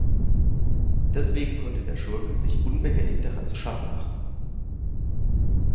Deswegen konnte der Schurke sich unbehelligt daran zu schaffen machen.